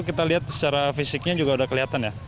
kita lihat secara fisiknya juga sudah kelihatan ya